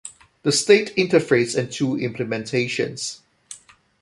The state interface and two implementations.